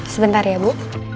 sebentar ya bu